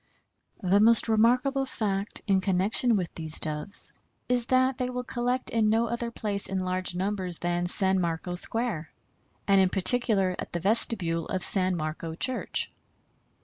The most remarkable fact in connection with these Doves is that they will collect in no other place in large numbers than San Marco Square, and in particular at the vestibule of San Marco Church.